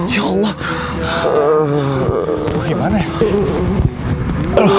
jangan bunuh anakku